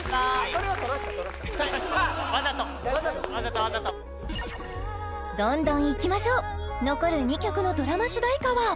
これは取らせた取らせたわざとわざとわざとわざとどんどんいきましょう残る２曲のドラマ主題歌は？